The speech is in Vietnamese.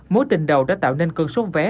mối tình đầu đã tạo nên cơn sốt vé